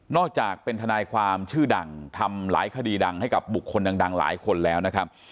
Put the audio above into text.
อกจากเป็นทนายความชื่อดังทำหลายคดีดังให้กับบุคคลดังหลายคนแล้วนะครับ